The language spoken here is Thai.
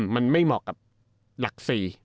มันไม่เหมาะกับหลัก๔